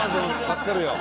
助かるよ。